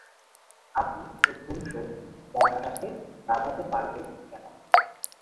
আপনি ও ধুমসো মড়াটাকে লাবাতে পারবে কেন?